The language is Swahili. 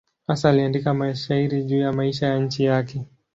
Hasa aliandika mashairi juu ya maisha ya nchi yake.